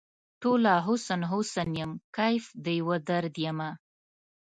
ټوله حسن ، حسن یم کیف د یوه درد یمه